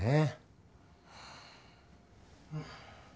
うん。